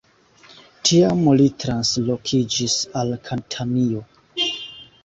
Tiam li translokiĝis al Katanio.